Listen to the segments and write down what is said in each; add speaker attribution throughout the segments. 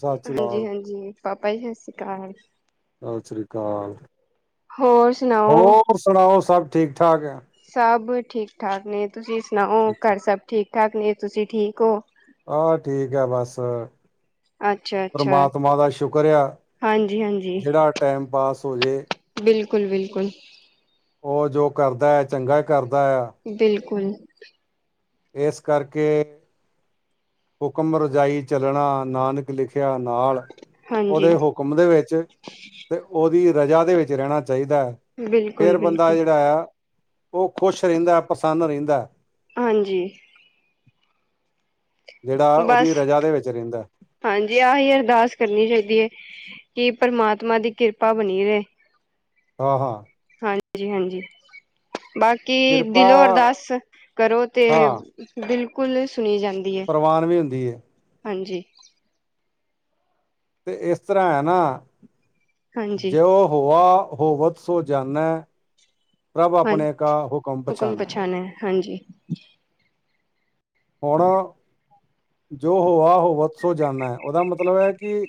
Speaker 1: ਸਤਿ ਸ੍ਰੀ ਅਕਾਲ,
Speaker 2: ਹਾਂਜੀ- ਹਾਂਜੀ ਪਾਪਾ ਜੀ ਸਤਿ ਸ਼੍ਰੀ ਅਕਾਲ।
Speaker 1: ਸਤਿ ਸ਼੍ਰੀ ਅਕਾਲ।
Speaker 2: ਹੋਰ ਸੁਣਾਓ।
Speaker 1: ਹੋਰ ਸੁਣਾਓ ਸਭ ਠੀਕ -ਠਾਕ।
Speaker 2: ਸਭ ਠੀਕ ਠਾਕ ਨੇ ਤੁਸੀਂ ਸੁਣਾਓ ਘਰ ਸਭ ਠੀਕ ਠਾਕ ਨੇ ਤੁਸੀਂ ਠੀਕ ਹੋ।
Speaker 1: ਆ ਠੀਕ ਐ ਬਸ
Speaker 2: ਅੱਛਾ-ਅੱਛਾ
Speaker 1: ਪਰਮਾਤਮਾ ਦਾ ਸ਼ੁਕਰ ਆ
Speaker 2: ਹਾਂਜੀ-ਹਾਂਜੀ
Speaker 1: ਜਿਹੜਾ ਟਾਈਮ ਪਾਸ ਹੋ ਜਏ।
Speaker 2: ਬਿਲਕੁਲ ਬਿਲਕੁਲ।
Speaker 1: ਉਹ ਜੋ ਕਰਦਾ ਹੈ, ਚੰਗਾ ਕਰਦਾ ਆ।
Speaker 2: ਬਿਲਕੁਲ।
Speaker 1: ਇਸ ਕਰਕੇ। ਹੁਕਮ ਰਜਾਈ ਚੱਲਣਾ, ਨਾਨਕ ਲਿਖਿਆ ਨਾਲ।
Speaker 2: ਹਾਂਜੀ
Speaker 1: ਉਹਦੇ ਹੁਕਮ ਦੇ ਵਿੱਚ ਤੇ ਉਹਦੀ ਰਜਾ ਦੇ ਵਿੱਚ ਰਹਿਣਾ ਚਾਹੀਦਾ ਹੈ। ਫੇਰ ਬੰਦਾ
Speaker 2: ਬਿਲਕੁਲ-ਬਿਲਕੁਲ
Speaker 1: ਜਿਹੜਾ ਆ, ਉਹ ਖ਼ੁਸ਼ ਰਹਿੰਦਾ, ਪ੍ਰਸੰਨ ਰਹਿੰਦਾ।
Speaker 2: ਹਾਂਜੀ।
Speaker 1: ਜਿਹੜਾ ਉਹਦੀ
Speaker 2: ਬਸ
Speaker 1: ਰਜਾ ਦੇ ਵਿੱਚ ਰਹਿੰਦਾ।
Speaker 2: ਹਾਂਜੀ, ਆਹੀ ਅਰਦਾਸ ਕਰਨੀ ਚਾਹੀਦੀ ਹੈ ਕਿ ਪਰਮਾਤਮਾ ਦੀ ਕਿਰਪਾ ਬਣੀ ਰਹੀ।
Speaker 1: ਹਾਂ ਹਾਂ।
Speaker 2: ਹਾਂਜੀ ਹਾਂਜੀ, ਬਾਕੀ
Speaker 1: ਕਿਰਪਾ
Speaker 2: ਦਿਲੋਂ ਅਰਦਾਸ ਕਰੋ ਤੇ।
Speaker 1: ਹਾਂ
Speaker 2: ਬਿਲਕੁਲ ਸੁਣੀ ਜਾਂਦੀ।
Speaker 1: ਪ੍ਰਵਾਨ ਵੀ ਹੁੰਦੀ ਆ।
Speaker 2: ਹਾਂਜੀ।
Speaker 1: ਤੇ ਇਸ ਤਰ੍ਹਾਂ ਹੈ ਨਾ,
Speaker 2: ਹਾਂਜੀ-ਹਾਂਜੀ
Speaker 1: ਜੇ ਉਹ ਹੋ ਹੋਵ। ਸੋ ਜਾਨਾ।
Speaker 2: ਹਾਂਜੀ ਹੁਕਮ
Speaker 1: ਪਛਾਨੈ
Speaker 2: ਪਛਾਣਾ ਹਾਂਜੀ
Speaker 1: ਹੁਣ ਜੋ ਹੋਆ ਉਹ ਵਾਪਸ ਹੋ ਜਾਂਦਾ ਹੈ, ਉਹਦਾ ਮਤਲਬ ਹੈ ਕਿ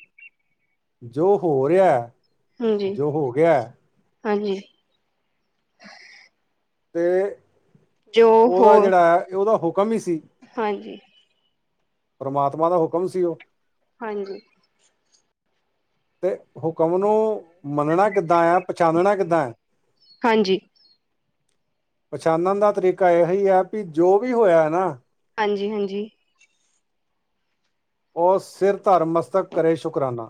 Speaker 1: ਜੋ ਹੋ ਰਿਹਾ
Speaker 2: ਹਾਂਜੀ
Speaker 1: ਜੋ ਹੋ ਗਿਆ ਹੈ
Speaker 2: ਹਾਂਜੀ
Speaker 1: ਅਤੇ,
Speaker 2: ਜੋ ਹੋ
Speaker 1: ਉਹਦਾ ਜਿਹੜਾ ਹੁਕਮ ਹੀ ਸੀ।
Speaker 2: ਹਾਂਜੀ
Speaker 1: ਪਰਮਾਤਮਾ ਦਾ ਹੁਕਮ ਸੀ ਉਹ।
Speaker 2: ਹਾਂਜੀ
Speaker 1: ਤੇ ਹੁਕਮ ਨੂੰ ਮੰਨਣਾ ਕਿਵੇਂ ਹੈ, ਪਛਾਣਨਾ ਕਿਵੇਂ ਹੈ?
Speaker 2: ਹਾਂਜੀ।
Speaker 1: ਪਛਾਣਨ ਦਾ ਤਰੀਕਾ ਇਹੀ ਹੈ ਕਿ ਜੋ ਵੀ ਹੋਇਆ ਨਾ।
Speaker 2: ਹਾਂਜੀ-ਹਾਂਜੀ
Speaker 1: ਓ ਸਿਰ ਧਰਮਸਤਕ ਕਰੇ, ਸ਼ੁਕਰਾਨਾ।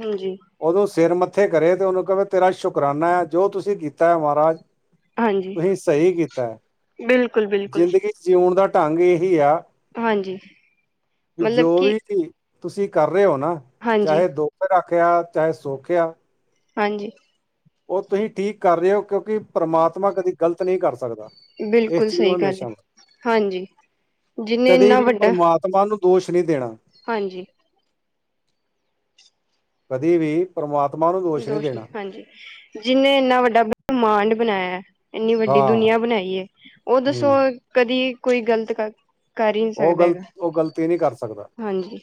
Speaker 2: ਹਾਂਜੀ
Speaker 1: ਓਦੋਂ ਸਿਰ ਮੱਥੇ ਕਰੇ ਤੇ ਉਹਨੂੰ ਕ ਤੇਰਾ ਸ਼ੁਕਰਾਨਾ ਹੈ ਜੋ ਤੁਸੀਂ ਕੀਤਾ ਹੈ ਮਹਾਰਾਜ
Speaker 2: ਹਾਂਜੀ
Speaker 1: ਤੁਸੀਂ ਸਹੀ ਕੀਤਾ ਹੈ
Speaker 2: ਬਿਲਕੁਲ, ਬਿਲਕੁਲ
Speaker 1: ਜ਼ਿੰਦਗੀ ਜਿਉਣ ਦਾ ਢੰਗ ਇਹੀ ਆ।
Speaker 2: ਹਾਂਜੀ ਮਤਲਬ
Speaker 1: ਜੋ
Speaker 2: ਕਿ
Speaker 1: ਵੀ ਤੁਸੀਂ ਕਰ ਰਹੇ ਹੋ ਨਾ
Speaker 2: ਹਾਂਜੀ,
Speaker 1: ਚਾਹੇ ਦੁੱਖ ਰੱਖਿਆ ਚਾਹੇ ਸੁੱਖ ਆ।
Speaker 2: ਹਾਂਜੀ
Speaker 1: ਉਹ ਤੁਸੀਂ ਠੀਕ ਕਰ ਰਹੇ ਹੋ ਕਿਉਂਕਿ ਪਰਮਾਤ ਤਮਾ ਕਦੀ ਗ਼ਲਤ ਨਹੀਂ ਕਰ ਸਕਦਾ ਇਸ
Speaker 2: ਬਿਲਕੁਲ
Speaker 1: ਚੀਜ਼ ਨੂੰ
Speaker 2: ਸਹੀ
Speaker 1: ਹਮੇਸ਼ਾ
Speaker 2: ਜਿੰਨੇ ਇੰਨਾ ਵੱਡਾ
Speaker 1: ਮਾਨ ਨੂੰ ਦੋਸ਼ ਨਹੀਂ ਦੇਣਾ।
Speaker 2: ਹਾਂਜੀ
Speaker 1: ਕਦੀ ਵੀ ਪਰਮਾਤਮਾ ਨੂੰ ਨਹੀਂ
Speaker 2: ਦੋਸ਼
Speaker 1: ਦੇਣਾ
Speaker 2: ਹਾਂਜੀ ਜਿਹਨੇ ਇੰਨਾ ਵੱਡਾ ਬ੍ਰਹਿਮੰਡ ਬਣਾਇਆ, ਇੰਨੀ ਵੱਡੀ
Speaker 1: ਹਾਂ
Speaker 2: ਦੁਨੀਆਂ ਬਣਾਈ ਹੈ। ਉਹ ਦੱਸੋ,
Speaker 1: ਹੂੰ
Speaker 2: ਕਦੇ ਕੋਈ ਗਲਤ ਕਰਦਾ ਹੈ? ਕਰ ਹੀ ਨਹੀਂ
Speaker 1: ਉਹ
Speaker 2: ਸਕਦਾ
Speaker 1: ਗਲ
Speaker 2: ਹੈਗਾ,
Speaker 1: ਉਹ ਗ਼ਲਤੀ ਨਹੀਂ ਕਰ ਸਕਦਾ
Speaker 2: ਹਾਂ ਜੀ।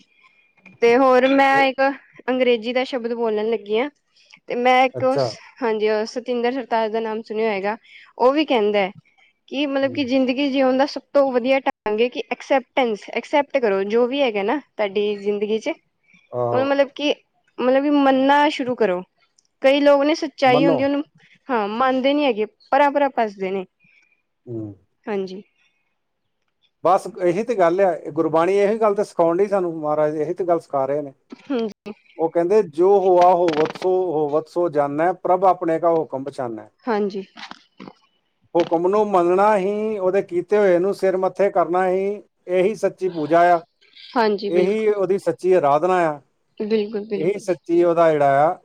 Speaker 2: ਤੇ ਹੋਰ, ਮੈਂ
Speaker 1: ਇਹ-
Speaker 2: ਇੱਕ ਅੰਗਰੇਜ਼ੀ ਦਾ ਸ਼ਬਦ ਬੋਲਣ ਲੱਗੀ ਹਾਂ। ਤੇ ਮੈਂ ਇੱਕ ਉਹ
Speaker 1: ਅੱਛਾ
Speaker 2: ਹਾਂ ਜੀ, ਸਤਿੰਦਰ ਸਰਤਾਜ ਦਾ ਨਾਮ ਸੁਣਿਆ ਹੈਗਾ। ਉਹ ਵੀ ਕਹਿੰਦਾ ਹੈ ਕਿ ਮਤਲਬ ਕਿ
Speaker 1: ਹੂੰ
Speaker 2: ਜ਼ਿੰਦਗੀ ਜੀਉਣ ਦਾ ਸਭ ਤੋਂ ਵਧੀਆ ਢੰਗ ਹੈ ਕਿ ਸਪਟਕਸਪਟ ਕਰੋ ਜੋ ਵੀ ਹੈਗਾ ਨਾ। ਤੁਹਾਡੀ ਜ਼ਿੰਦਗੀ 'ਚ ਉਹਨੂੰ
Speaker 1: ਆਹੋ
Speaker 2: ਮਤਲਬ ਕਿ ਮਤਲਬ ਕਿ ਮੰਨ ਨਾ ਸ਼ੁਰੂ ਕਰੋ ਕਈ ਲੋਕ ਨੇ ਸ ਚਾਹੀ
Speaker 1: ਮੰਨੋ
Speaker 2: ਹੁੰਦੀ ਉਹਨੂੰ ਹਾਂ ਮੰਨਦੇ ਨੀ ਹੈਗੇ ਪਰਾ ਪਰਾ ਭੱਜਦੇ ਨੇ।
Speaker 1: ਹਮ
Speaker 2: ਹਾਂਜੀ।
Speaker 1: ਬਸ ਇਹੀ ਤੇ ਗੱਲ ਆ ਇਹ ਗੁਰਬਾਣੀ ਇਹੀ ਗੱਲ ਤੇ ਸਿਖਾਉਣ ਡਈ ਸਾਨੂੰ ਮਹਾਰਾਜ ਇਹੀ ਤੇ ਗੱਲ ਸਿਖਾ ਰਹੇ ਨੇ।
Speaker 2: ਹਾਂਜੀ
Speaker 1: ਉਹ ਕਹਿੰਦੇ ਜੋ ਹੋਆ ਹੋਵਤ ਸੋ ਹੋਵਤ ਸੋ ਜਾਨੇ ਪ੍ਰਭ ਆਪਣੇ ਕਾ ਹੁਕਮ ਪਛਾਨੇ।
Speaker 2: ਹਾਂਜੀ
Speaker 1: ਹੁਕਮ ਨੂੰ ਮੰਨਣਾ ਹੀ ਉਹਦੇ ਕੀਤੇ ਹੋਏ ਨੂੰ ਸਿਰ ਮ ਇੱਥੇ ਕਰਨਾ ਹੀ ਇਹੀ ਸੱਚੀ ਪੂਜਾ ਆ
Speaker 2: ਹਾਂਜੀ
Speaker 1: ਇਹੀ
Speaker 2: ਬਿਲਕੁਲ
Speaker 1: ਉਹਦੀ ਸੱਚੀ ਅਰਾਧਨਾ ਆ।
Speaker 2: ਬਿਲਕੁਲ
Speaker 1: ਇਹੀ
Speaker 2: ਬਿਲਕੁਲ
Speaker 1: ਸੱਚੀ ਉਹਦਾ ਜਿਹੜਾ ਆ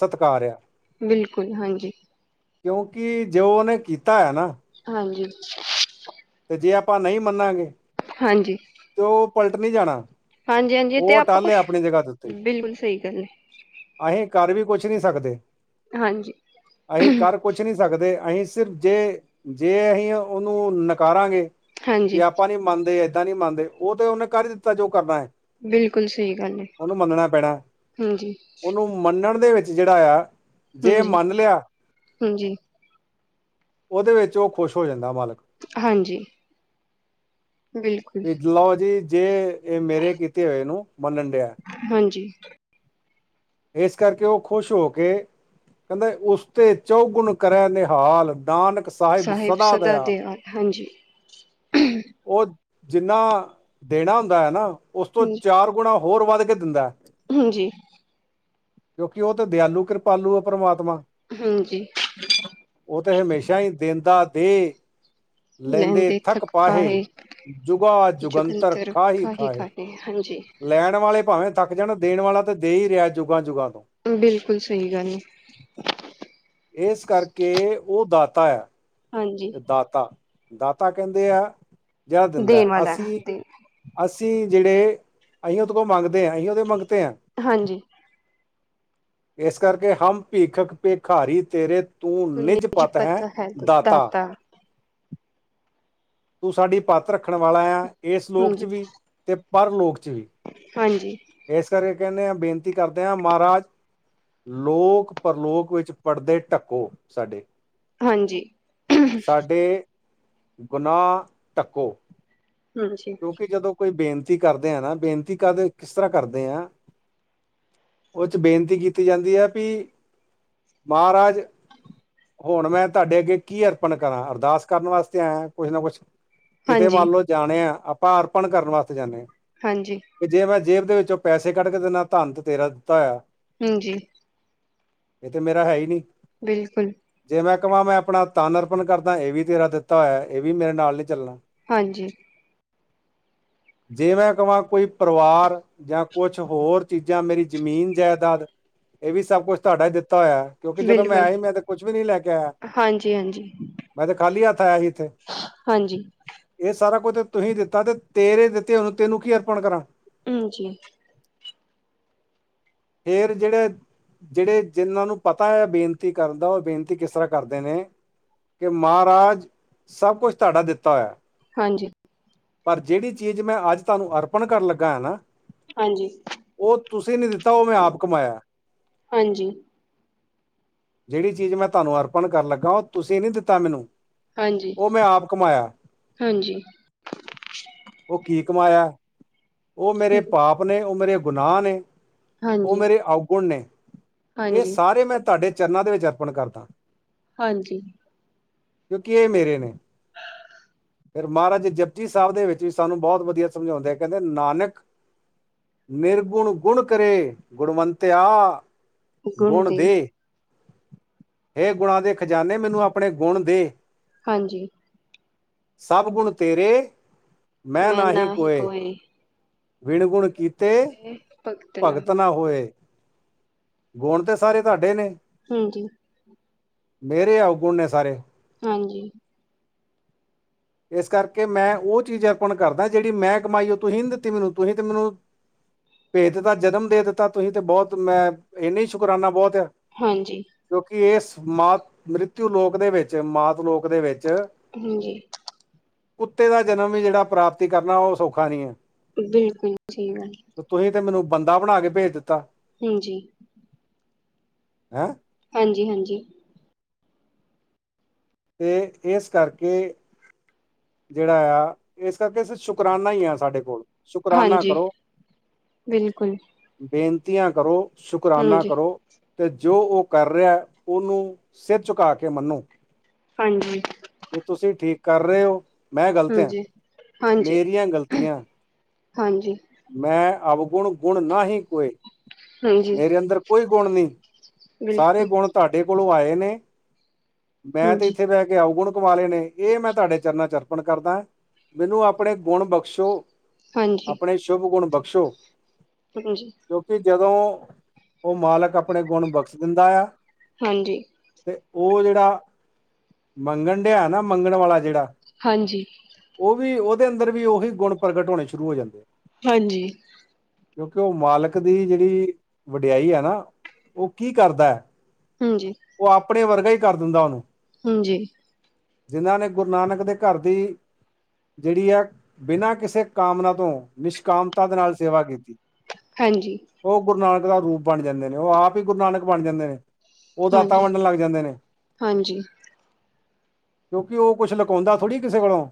Speaker 1: ਸਤਿਕਾਰ ਆ।
Speaker 2: ਬਿਲਕੁਲ ਹਾਂਜੀ।
Speaker 1: ਕਿਉਂਕਿ ਜੋੇ ਉਹਨੇ ਕੀਤਾ ਹੈ ਨਾ
Speaker 2: ਹਾਂਜੀ।
Speaker 1: ਤੇ ਜੇ ਆਪਾਂ ਨਹੀਂ ਮੰਨਾਗੇ
Speaker 2: ਹਾਂਜੀ।
Speaker 1: ਤੇ ਉਹ ਪਲਟ ਨਹੀਂ ਜਾਣਾ
Speaker 2: ਹਾਂਜੀ ਹਾਂਜੀ ਤੇ
Speaker 1: ਉਹ
Speaker 2: ਆਪਾਂ
Speaker 1: ਅਟੱਲ ਹੈ
Speaker 2: ਕੁਛ
Speaker 1: ਆਪਣੀ ਜਗ੍ਹਾ ਦੇ ਉੱਤੇ
Speaker 2: ਬਿਲਕੁਲ ਸਹੀ ਗੱਲ ਹੈ।
Speaker 1: ਅਸੀਂ ਘਰ ਵੀ ਕੁਛ ਨਹੀਂ ਸਕਦੇ
Speaker 2: ਹਾਂਜੀ।
Speaker 1: ਅਸੀਂ ਕਰ ਕੁਛ ਨਹੀਂ ਸਕਦੇ ਅਸੀਂ ਸਿਰਫ ਜੇ ਜੇ ਅਸੀਂ ਉਹਨੂੰ ਨਕਾਰਾਂਗੇ
Speaker 2: ਹਾਂਜੀ
Speaker 1: ਵੀ ਆਪਾਂ ਨੀ ਮੰਨਦੇ ਏਦਾਂ ਨੀ ਮੰਨਦੇ ਉਹ ਤੇ ਉਹਨੇ ਕਰ ਦਿੱਤਾ ਜੋ ਕਰਨਾ ਹੈ।
Speaker 2: ਬਿਲਕੁਲ ਸਹੀ ਗੱਲ ਹੈ
Speaker 1: ਉਹਨੂੰ ਮੰਨਣਾ ਪੈਣਾ
Speaker 2: ਹਾਂਜੀ।
Speaker 1: ਉਹਨੂੰ ਮੰਨਣ ਦੇ ਵਿੱਚ ਜਿਹੜਾ ਆ ਜੇ ਮੰਨ ਲਿਆ ਉਹਦੇ ਵਿੱਚ ਉਹ ਖੁਸ਼ ਹੋ ਜਾਂਦਾ ਮਾਲਕ
Speaker 2: ਹਾਂਜੀ। ਬਿਲਕੁਲ।
Speaker 1: ਵੀ ਲਓ ਜੀ ਜੇ ਇਹ ਮੇਰੇ ਕੀਤੇ ਹੋਏਨੂੰ ਮੰਨਣ ਡਿਆ।
Speaker 2: ਹਾਂਜੀ।
Speaker 1: ਇਸ ਕਰਕੇ ਉਹ ਖੁਸ਼ ਹੋ ਕੇ। ਕਹਿੰਦੇ ਉਸ ਤੇ ਚੌਗੁਣ ਕਰੇ ਨਿਹਾਲ ਨਾਨਕ।
Speaker 2: ਸਾਹਿਬ ਸਦਾ ਦਿਆਲ ਹਾਂਜੀ।
Speaker 1: ਉਹ ਜਿੰਨਾ ਦੇਣਾ ਹੁੰਦਾ ਹੈ। ਨਾ ਉਸ ਤੋਂ ਚਾਰ ਗੁਣਾ ਹੋਰ ਵੱਧ ਕੇ ਦਿੰਦਾ ਹੈ।
Speaker 2: ਹਾਂਜੀ।
Speaker 1: ਕਿਉਂਕਿ ਉਹ ਤੇ ਦਿਆਲੂ ਕਿਰਪਾਲੂ ਆ ਪ੍ਰਮਾਤਮਾ।
Speaker 2: ਹਾਂਜੀ।
Speaker 1: ਉਹ ਤਾਂ ਹਮੇਸ਼ਾਂ ਹੀ ਦਿੰਦਾ ਦੇ। ਲੈਂਦੇ
Speaker 2: ਲਹਿੰਦੇ
Speaker 1: ਥੱਕ ਪਾਹੇ
Speaker 2: ਪਾਏ
Speaker 1: ਜੁਗਾ ਜੁਗੰਤਰ ਖਾਹੀ
Speaker 2: ਕਾਹੇ
Speaker 1: ਖਾਹ।
Speaker 2: ਕਾਹੇ ਹਾਂਜੀ।
Speaker 1: ਲੈਣ ਵਾਲੇ ਭਾਵੇਂ ਥੱਕ ਜਾਣਾ ਦੇਣ ਵਾਲਾ ਤੇ ਦੇ ਹੀ ਰਿਹਾ ਜੁਗਾਂ ਜੁਗਾਂ ਤੋਂ।
Speaker 2: ਬਿਲਕੁਲ ਸਹੀ ਗੱਲ ਏ।
Speaker 1: ਇਸ ਕਰਕੇ ਉਹ ਦਾਤਾ ਆ
Speaker 2: ਹਾਂਜੀ।
Speaker 1: ਇਹ ਦਾਤਾ ਦਾਤਾ ਕਹਿੰਦੇ ਆ ਜਿਹੜਾ ਦਿੰਦਾ
Speaker 2: ਦੇਣ ਵਾਲਾ
Speaker 1: ਅਸੀਂ
Speaker 2: ਦੇ
Speaker 1: ਅਸੀਂ ਜਿਹੜੇ ਅਸੀਂ ਉਹਦੇ ਕੋਲ ਮੰਗਦੇ ਹਾਂ ਅਸੀਂ ਉਹਦੇ ਮੰਗਦੇ ਹਾਂ।
Speaker 2: ਹਾਂਜੀ।
Speaker 1: ਇਸ ਕਰਕੇ ਹਮ ਭੀਖਕ ਭੇਖਾਰੀ ਤੇਰੇ ਤੂੰ ਨਿੱਜ ਪਤ ਹੈ ਦਾਤਾ। ਤੂੰ ਸਾਡੀ ਪਤ ਰੱਖਣ ਵਾਲਾ ਆ ਇਸ ਲੋਕ 'ਚ
Speaker 2: ਹਾਂਜੀ-ਹਾਂਜੀ-ਹਾਂਜੀ-ਹਾਂਜੀ-ਹਾਂਜੀ।
Speaker 1: ਵੀ ਅਤੇ ਪਰ ਲੋਕ 'ਚ ਵੀ।
Speaker 2: ਹਾਂਜੀ।
Speaker 1: ਇਸ ਕਰਕੇ ਕਹਿੰਦੇ ਹਾਂ ਬੇਨਤੀ ਕਰਦੇ ਹਾਂ ਮਹਾਰਾਜ। ਲੋਕ ਪਰਲੋਕ ਵਿੱਚ ਪੜ੍ਹਦੇ ਢੱਕੋ ਸਾਡੇ।
Speaker 2: ਹਾਂਜੀ।
Speaker 1: ਸਾਡੇ ਗੁਨਾਹ ਢੱਕੋ ਕਿਉਂਕਿ ਜਦੋਂ। ਕੋਈ ਬੇਨਤੀ ਕਰਦੇ ਆ ਨਾ ਬੇਨਤੀ ਕਰਦੇ ਕਿਸ ਤਰ੍ਹਾਂ ਕਰਦੇ ਆ। ਉਹ 'ਚ ਬੇਨਤੀ ਕੀਤੀ ਜਾਂਦੀ ਹੈ ਵੀ ਮਹਾਰਾਜ। ਹੁਣ ਮੈਂ ਤੁਹਾਡੇ ਅੱਗੇ ਕੀ ਅਰਪਣ ਕਰਾਂ ਅਰਦਾਸ ਕਰਨ ਵਾਸਤੇ ਆਇਆ ਹੈ। ਕੁਛ ਨਾ ਕੁਛ ਕਿਤੇ
Speaker 2: ਹਾਂਜੀ ਹਾਂਜੀ ਹਾਂਜੀ
Speaker 1: ਮੰਨ ਲਓ ਜਾਣੇ ਆ ਆਪਾਂ ਅਰਪਣ ਕਰਨ ਵਾਸਤੇ ਜਾਂਦੇ ਹਾਂ।
Speaker 2: ਹਾਂਜੀ।
Speaker 1: ਕਿ ਜੇ ਮੈਂ ਜੇਬ ਦੇ ਵਿੱਚੋਂ ਪੈਸੇ ਕੱਢ ਕੇ ਦਿੰਨਾ ਧੰਨ ਤੇ ਤੇਰਾ ਦਿੱਤਾ ਹੋਇਆ ਹੈ।
Speaker 2: ਹਾਂਜੀ।
Speaker 1: ਇਹ ਤੇ ਮੇਰਾ ਹੈ ਹੀ ਨੀ।
Speaker 2: ਬਿਲਕੁਲ।
Speaker 1: ਜੇ ਮੈਂ ਕਵਾਂ ਮੈਂ ਆਪਣਾ ਤਨ ਅਰਪਣ ਕਰਦਾ ਇਹ ਵੀ ਤੇਰਾ ਦਿੱਤਾ ਹੋਇਆ ਇਹ ਵੀ ਮੇਰੇ ਨਾਲ ਨਹੀਂ ਚੱਲਣਾ।
Speaker 2: ਹਾਂਜੀ।
Speaker 1: ਜੇ ਮੈਂ ਕਹਾਂ ਕੋਈ ਪਰਿਵਾਰ। ਜਾਂ ਕੁਛ ਹੋਰ ਚੀਜ਼ਾਂ ਮੇਰੀ ਜ਼ਮੀਨ ਜਾਇਦਾਦ ਇਹ ਵੀ ਸਭ ਕੁਛ ਤੁਹਾਡਾ ਹੀ ਦਿੱਤਾ ਹੋਇਆ ਹੈ। ਕਿਉਂਕਿ ਜਦੋਂ ਮੈਂ
Speaker 2: ਬਿਲਕੁਲ
Speaker 1: ਆਇਆ ਮੈਂ ਤੇ ਕੁਛ ਵੀ ਨੀ ਲੈ ਕੇ ਆਇਆ
Speaker 2: ਹਾਂਜੀ ਹਾਂਜੀ
Speaker 1: ਮੈਂ ਤੇ ਖਾਲੀ ਹੱਥ ਆਇਆ ਸੀ ਇੱਥੇ।
Speaker 2: ਹਾਂਜੀ।
Speaker 1: ਇਹ ਸਾਰਾ ਕੁੱਝ ਤਾਂ ਤੁਸੀਂ ਦਿੱਤਾ ਤੇ ਤੇਰੇ ਦਿੱਤੇ ਉਹਨੂੰ ਤੇੈਨੂੰ ਕੀ ਅਰਪਣ ਕਰਾਂ।
Speaker 2: ਹਾਂਜੀ।
Speaker 1: ਫੇਰ ਜਿਹੜੇ। ਜਿਹੜੇ ਜਿਹਨਾਂ ਨੂੰ ਪਤਾ ਹੈ ਬੇਨਤੀ ਕਰਨ ਦਾ ਉਹ ਬੇਨਤੀ ਕਿਸ ਤਰ੍ਹਾਂ ਕਰਦੇ ਨੇ। ਕਿ ਮਹਾਰਾਜ। ਸਭ ਕੁਛ ਤੁਹਾਡਾ ਦਿੱਤਾ ਹੋਇਆ ਹੈ।
Speaker 2: ਹਾਂਜੀ।
Speaker 1: ਪਰ ਜਿਹੜੀ ਚੀਜ਼ ਮੈਂ ਅੱਜ ਤੁਹਾਨੂੰ ਅਰਪਣ ਕਰਨ ਲੱਗਾ ਹੈ ਨਾ।
Speaker 2: ਹਾਂਜੀ
Speaker 1: ਉਹ ਤੁਸੀਂ ਨੀ ਦਿੱਤਾ ਉਹ ਮੈਂ ਆਪ ਕਮਾਇਆ ਹੈ।
Speaker 2: ਹਾਂਜੀ
Speaker 1: ਜਿਹੜੀ ਚੀਜ਼ ਮੈਂ ਤੁਹਾਨੂੰ ਅਰਪਣ ਕਰ ਲੱਗਾ, ਉਹ ਤੁਸੀਂ ਨੀ ਦਿੱਤਾ ਮੈਨੂੰ।
Speaker 2: ਹਾਂਜੀ
Speaker 1: ਉਹ ਮੈਂ ਆਪ ਕਮਾਇਆ?
Speaker 2: ਹਾਂਜੀ
Speaker 1: ਉਹ ਕੀ ਕਮਾਇਆ! ਉਹ ਮੇਰੇ
Speaker 2: ਹਾਂਜੀ
Speaker 1: ਪਾਪ ਨੇ, ਉਹ ਮੇਰੇ ਗੁਨਾਹ ਨੇ। ਉਹ
Speaker 2: ਹਾਂਜੀ
Speaker 1: ਮੇਰੇ ਅਉਗੁਣ ਨੇ। ਇਹ
Speaker 2: ਹਾਂਜੀ
Speaker 1: ਸਾਰੇ ਮੈਂ ਤੁਹਾਡੇ ਚਰਨਾਂ ਦੇ ਵਿੱਚ ਅਰਪਣ ਕਰਦਾ ਹਾਂ।
Speaker 2: ਹਾਂਜੀ।
Speaker 1: ਕਿਉਂਕਿ ਇਹ ਮੇਰੇ ਨੇ।
Speaker 2: ਹਾ।
Speaker 1: ਫਿਰ ਮਹਾਰਾਜ ਜੀ, ਜਪੁਜੀ ਸਾਹਿਬ ਦੇ ਵਿੱਚ ਵੀ ਸਾਨੂੰ ਬਹੁਤ ਵਧੀਆ ਸਮਝਾਉਂਦੇ, ਕਹਿੰਦੇ ਨਾਨਕ। ਨਿਰਗੁਣ, ਗੁਣ ਕਰਿ, ਗੁਣਵੰਤਿਆ। ਗੁਣ ਦੇ, ਹੇ ਗੁਣਾਂ ਦੇ ਖ਼ਜ਼ਾਨੇ, ਮੈਨੂੰ ਆਪਣੇ ਗੁਣ ਦੇ।
Speaker 2: ਹਾਂਜੀ।
Speaker 1: ਸਭ ਗੁਣ ਤੇਰੇ ਮੈਂ ਨਾ ਹੀ ਕੋਏ। ਵਿਣਗੁਣ ਕੀਤੇ ਭਗਤ ਨਾ ਹੋਏ। ਗੁਣ ਤੇ ਸਾਰੇ ਤੁਹਾਡੇ ਨੇ।
Speaker 2: ਹਾਂਜੀ।
Speaker 1: ਮੇਰੇ ਅਗੁਨ ਨੇ ਸਾਰੇ।
Speaker 2: ਹਾਂਜੀ।
Speaker 1: ਇਸ ਕਰਕੇ ਮੈਂ ਉਹ ਚੀਜ਼ ਅਰਪਣ ਕਰਦਾ, ਜਿਹੜੀ ਮੈਂ ਕਮਾਈ। ਉਹ ਤੁਹੀ ਨਹੀ ਦਿੱਤੀ ਮੈਨੂੰ ਤੁਹੀਂ ਤੇ ਮੈਨੂੰ। ਭੇਦ ਦਾ ਜਨਮ ਦੇ ਦਿੱਤਾ ਤੁਹੀਂ, ਤੇ ਬਹੁਤ ਮੈਂ ਇੰਨਾ ਹੀ ਸ਼ੁਕਰਾਨਾ ਬਹੁਤ ਆ।
Speaker 2: ਹਾਂਜੀ।
Speaker 1: ਕਿਉਂਕਿ ਇਸ ਮਾਤ ਮ੍ਰਿਤੂ ਲੋਕ ਦੇ ਵਿੱਚ, ਮਾਤ ਲੋਕ ਦੇ ਵਿੱਚ।
Speaker 2: ਹਾਂਜੀ।
Speaker 1: ਕੁੱਤੇ ਦਾ ਜਨਮ ਹੈ, ਜਿਹੜਾ ਪ੍ਰਾਪਤੀ ਕਰਨਾ, ਉਹ ਸੌਖਾ ਨਹੀਂ ਹੈ।
Speaker 2: ਬਿਲਕੁਲ, ਸਚੀ ਗੱਲ ਐ।
Speaker 1: ਤੁਹੀ ਤੇ, ਮੈਨੂੰ ਬੰਦਾ, ਬਣਾ ਕੇ ਭੇਜ ਦਿੱਤਾ।
Speaker 2: ਹਾਂਜੀ।
Speaker 1: ਹੈਂ।
Speaker 2: ਹਾਂਜੀ ਹਾਂਜੀ।
Speaker 1: ਅਤੇ, ਇਸ ਕਰਕੇ,। ਜਿਹੜਾ ਆ, ਇਸ ਕਰਕੇ ਸ਼ੁਕਰਾਨਾ ਹੀ ਆ ਸਾਡੇ ਕੋਲ। ਸ਼ੁਕਰਾਨਾ
Speaker 2: ਹਾਂਜੀ
Speaker 1: ਕਰੋ,
Speaker 2: ਬਿਲਕੁਲ
Speaker 1: ਬੇਨਤੀਆਂ ਕਰੋ। ਸ਼ੁਕਰਾਨਾ
Speaker 2: ਹਾਂਜੀ
Speaker 1: ਕਰੋ, ਤੇ ਜੋ ਉਹ ਕਰ ਰਿਹਾ, ਉਹਨੂੰ ਸਿਰ ਝੁਕਾ ਕੇ ਮੰਨੋ।
Speaker 2: ਹਾਂਜੀ।
Speaker 1: ਵੀ, ਤੁਸੀਂ ਠੀਕ ਕਰ ਰਹੇ ਹੋ। ਮੈਂ, ਗਲਤ ਆਂ,
Speaker 2: ਹਾਂਜੀ ਹਾਂਜੀ
Speaker 1: ਮੇਰੀਆਂ ਗਲਤੀਆਂ।
Speaker 2: ਹਾਂਜੀ
Speaker 1: ਮੈਂ, ਅਵਗੁਣ, ਗੁਣ ਨਾਹੀਂ ਕੋਏ।
Speaker 2: ਹਾਂਜੀ
Speaker 1: ਮੇਰੇ ਅੰਦਰ, ਕੋਈ ਗੁਣ ਨਹੀਂ। ਸਾਰੇ
Speaker 2: ਬਿਲਕੁਲ
Speaker 1: ਗੁਣ, ਤੁਹਾਡੇ ਕੋਲੋਂ ਆਏ ਨੇ। ਮੈਂ ਤਾਂ,
Speaker 2: ਹਾਂਜੀ
Speaker 1: ਇੱਥੇ ਬਹਿ ਕੇ ਅਵਗੁਣ। ਕਮਾਲੇ ਨੇ, ਇਹ ਮੈਂ, ਤੁਹਾਡੇ ਚਰਨਾਂ ਚ, ਅਰਪਣ ਕਰਦਾ ਹਾਂ। ਮੈਨੂੰ ਆਪਣੇ ਗੁਣ ਬਖ਼ਸ਼ੋ।
Speaker 2: ਹਾਂਜੀ
Speaker 1: ਆਪਣੇ, ਸ਼ੁਭ ਗੁਣ ਬਖ਼ਸ਼ੋ।
Speaker 2: ਹੈਲੋ ਜੀ।
Speaker 1: ਕਿਉਂਕਿ, ਜਦੋਂ ਉਹ ਮਾਲਕ, ਆਪਣੇ ਗੁਣ ਬਖ਼ਸ਼ ਦਿੰਦਾ ਹੈ।
Speaker 2: ਹਾਂਜੀ।
Speaker 1: ਤੇ ਉਹ, ਜਿਹੜਾ ਮੰਗਣ ਡਿਆ ਹੈ ਨਾ, ਮੰਗਣ ਵਾਲਾ ਜਿਹੜਾ।
Speaker 2: ਹਾਂਜੀ।
Speaker 1: ਉਹ ਵੀ, ਉਹਦੇ ਅੰਦਰ ਵੀ, ਉਹੀ ਗੁਣ, ਪ੍ਰਗਟ ਹੋਣੇ ਸ਼ੁਰੂ ਹੋ ਜਾਂਦੇ।
Speaker 2: ਹਾਂਜੀ।
Speaker 1: ਕਿਉਂਕਿ, ਉਹ ਮਾਲਕ ਦੀ, ਜਿਹੜੀ ਵਡਿਆਈ ਹੈ, ਨਾ। ਉਹ ਕੀ, ਕਰਦਾ ਐ।
Speaker 2: ਹਾਂਜੀ।
Speaker 1: ਔ ਆਪਣੇ, ਵਰਗਾ ਈ, ਕਰ ਦਿੰਦਾ ਔਨੂੰ।
Speaker 2: ਹਂਜੀ।
Speaker 1: ਜਿਨਾਂ ਨੇ, ਗੁਰੂ ਨਾਨਕ, ਦੇ ਘਰ ਦੀ ਜੇਹੜੀ ਆ, ਬਿਨਾਂ ਕਿਸੇ ਕਾਮਨਾ ਤੋਂ, ਨਿਸ਼ਕਾਮਤਾ ਦੇ ਨਾਲ ਸੇਵਾ ਕੀਤੀ।
Speaker 2: ਹਾਂਜੀ।
Speaker 1: ਔ, ਗੁਰੂ ਨਾਨਕ ਦਾ, ਰੂਪ ਬਣ ਜਾਂਦੇ ਨੇ। ਔ, ਆਪ ਹੀ, ਗੁਰੂ ਨਾਨਕ ਬਣ ਜਾਂਦੇ ਨੇ। ਔ ਦਾਤਾਂ,
Speaker 2: ਹਾਂਜੀ
Speaker 1: ਵੰਡਣ ਲੱਗ ਜਾਂਦੇ ਨੇ।
Speaker 2: ਹਾਂਜੀ
Speaker 1: ਕਿਉਂਕਿ, ਔ ਕੁਛ ਲੁਕਾਉਂਦਾ, ਥੋੜੀ ਕਿਸੇ ਕੋਲੋਂ।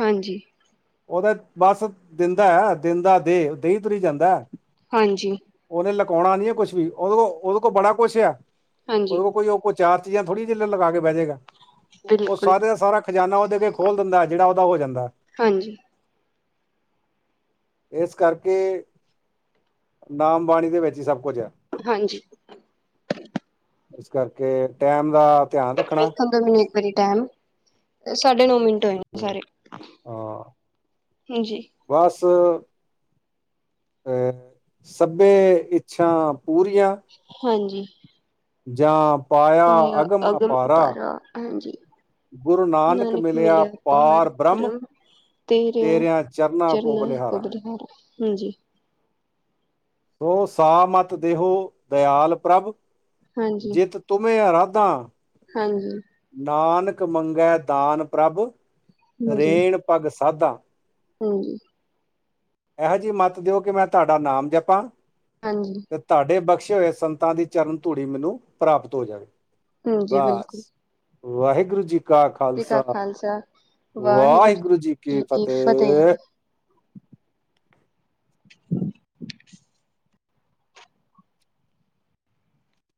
Speaker 2: ਹਾਂਜੀ।
Speaker 1: ਔ ਤੇ, ਬਸ ਦਿੰਦਾ ਐ। ਦਿੰਦਾ ਦੇਹ, ਦੇਈ ਤੁਰੀ ਜਾਂਦਾ ਐ।
Speaker 2: ਹਾਂਜੀ।
Speaker 1: ਓਨੇ ਲਕਾਉਣਾ, ਨੀ ਹੈ, ਕੁਛ ਵੀ, ਓ ਕੋਲ ਓਦੇ ਕੋਲ, ਬੜਾ ਕੁਛ ਹੈ।
Speaker 2: ਹਾਂਜੀ
Speaker 1: ਉਹਦੇ ਕੋਲ ਕੋਈ ਓ ਕੋ ਚਾਰ ਚੀਜ਼ਾਂ ਥੋੜੀ, ਏ ਜਿਲੇ ਲੁਕਾ ਕੇ ਬਹਿ ਜਾਏਗਾ ਓਹ
Speaker 2: ਬਿਲਕੁਲ
Speaker 1: ਸਾਰੇ ਦਾ ਸਾਰਾ ਖਜ਼ਾਨਾ ਓਹਦੇ ਅੱਗੇ ਖੋਲ ਦਿੰਦਾ, ਏ ਜਿਹੜਾ ਉਹਦਾ ਹੋ ਜਾਂਦਾ ਏ।
Speaker 2: ਹਾਂਜੀ।
Speaker 1: ਇਸ ਕਰਕੇ, ਨਾਮ-ਬਾਣੀ ਦੇ, ਵਿੱਚ ਹੀ ਸਭ ਕੁਝ ਹੈ।
Speaker 2: ਹਾਂਜੀ।
Speaker 1: ਇਸ ਕਰਕੇ, ਟੈਮ ਨਾਲ।
Speaker 2: ਵੇਖਣ ਦਿਓ ਮੈਨੂੰ, ਇੱਕ ਵਾਰੀ ਟਾਈਮ। ਤੇ ਸਾਢੇ ਨੌਂ ਮਿੰਟ। ੋ ਹੋਏ ਨੇ
Speaker 1: ਤੇ,
Speaker 2: ਸਾਰੇ।
Speaker 1: ਹਾਂ
Speaker 2: ਹਾਂਜੀ।
Speaker 1: ਬਸ ਸੱਭੇ, ਇੱਛਾ, ਪੂਰੀਆਂ।
Speaker 2: ਹਾਂਜੀ।
Speaker 1: ਜਾਪ।
Speaker 2: ਪਾਇਆ, ਅਗਮ ਅਪਾਰਾ, ਹਾਂਜੀ।
Speaker 1: ਗੁਰੂ
Speaker 2: ਨਾਨਕ
Speaker 1: ਮਿਲਿਆ
Speaker 2: ਮਿਲਆ,
Speaker 1: ਪਾਰ ਬ੍ਰਹਮ
Speaker 2: ਪਾਰਬ੍ਰਹਮ। ਤੇਰਿਆਂ, ਚਰਨਾ ਕੋ ਬਲਿਹਾਰੀ। ਹਾਂਜੀ।
Speaker 1: ਦੋ, ਸਾ ਮਤ, ਦੇਹੋ ਦਿਆਲ, ਪ੍ਰਭ
Speaker 2: ਹਾਂਜੀ
Speaker 1: ਜਿੱਤ। ਤੁਮਹੇ, ਅਰਾਦਾਂ।
Speaker 2: ਹਾਂਜੀ।
Speaker 1: ਨਾਨਕ ਮੰਗੈ ਦਾਨ ਪ੍ਰਭ, ਰੇਣ ਪਗ ਸਾਧਾ।
Speaker 2: ਹਂਜੀ।
Speaker 1: ਐਹੋ ਜਿਹੀ ਮੱਤ ਦਿਓ ਕਿ ਮੈਂ ਤੁਹਾਡਾ ਨਾਮ ਜਪਾਂ।
Speaker 2: ਹਾਂਜੀ।
Speaker 1: ਤੇ ਤਾਡੇ ਬਖਸ਼ੇ ਹੋਏ ਸੰਤਾਂ ਦੀ ਚਰਨ ਧੂੜੀ ਮੈਨੂੰ ਪ੍ਰਾਪਤ ਹੋ ਜਾਵੇ।
Speaker 2: ਹਾਂਜੀ ਬਿਲਕੁਲ।
Speaker 1: ਬਸ ਵਾਹਿਗੁਰੂ ਜੀ ਕਾ
Speaker 2: ਜੀ ਕਾ
Speaker 1: ਖਾਲਸਾ
Speaker 2: ਖਾਲਸਾ
Speaker 1: ਵਾਹਿਗੁਰੂ ਜੀ ਕੀ ਫਤਿਹ।
Speaker 2: [unintelligible]